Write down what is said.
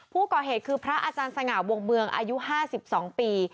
ผู้ก่อเหตุคือพระอาจารย์สง่าวงเมืองอายุ๕๒ปี